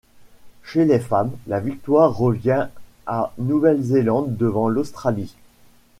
Chez les femmes, la victoire revient à Nouvelle-Zélande devant l'Australie.